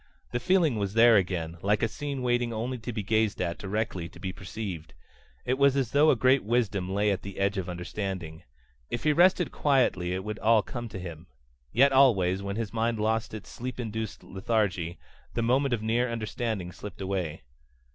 The feeling was there again, like a scene waiting only to be gazed at directly to be perceived. It was as though a great wisdom lay at the edge of understanding. If he rested quietly it would all come to him. Yet always, when his mind lost its sleep induced lethargy, the moment of near understanding slipped away.